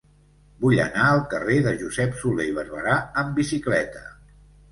Vull anar al carrer de Josep Solé i Barberà amb bicicleta.